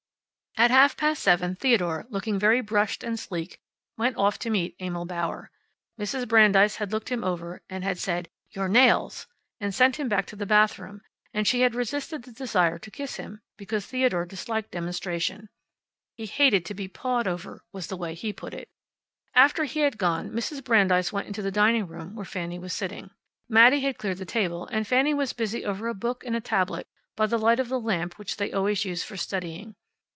At half past seven Theodore, looking very brushed and sleek, went off to meet Emil Bauer. Mrs. Brandeis had looked him over, and had said, "Your nails!" and sent him back to the bathroom, and she had resisted the desire to kiss him because Theodore disliked demonstration. "He hated to be pawed over," was the way he put it. After he had gone, Mrs. Brandeis went into the dining room where Fanny was sitting. Mattie had cleared the table, and Fanny was busy over a book and a tablet, by the light of the lamp that they always used for studying.